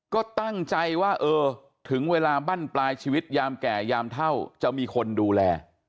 ก็ตั้งใจว่าเออถึงเวลาบั้นปลายชีวิตยามแก่ยามเท่าจะมีคนดูแล